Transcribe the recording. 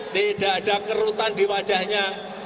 tidak ada kerutan di wajahnya